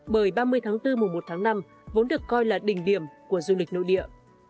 bởi ba mươi tháng bốn mùa một tháng năm vốn được coi là đỉnh điểm của du lịch nội địa